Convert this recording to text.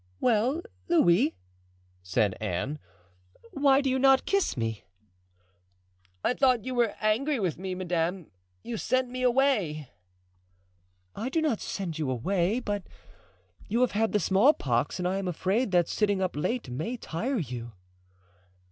"Well, Louis," said Anne, "why do you not kiss me?" "I thought you were angry with me, madame; you sent me away." "I do not send you away, but you have had the small pox and I am afraid that sitting up late may tire you."